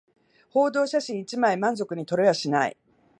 報道写真一枚満足に撮れはしない